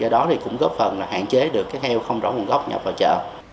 do đó cũng góp phần hạn chế được heo không rõ nguồn gốc nhập vào chợ